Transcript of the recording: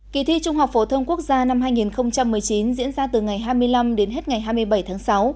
kỳ thi trung học phổ thông quốc gia năm hai nghìn một mươi chín diễn ra từ ngày hai mươi năm đến hết ngày hai mươi bảy tháng sáu